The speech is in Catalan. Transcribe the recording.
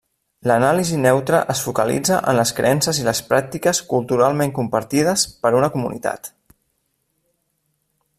L’anàlisi neutra es focalitza en les creences i les pràctiques culturalment compartides per una comunitat.